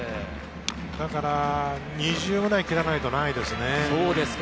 だから２０くらい切らないとないですね。